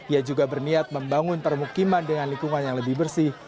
ia juga berniat membangun permukiman dengan lingkungan yang lebih bersih